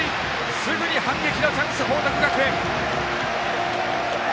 すぐに反撃のチャンス、報徳学園。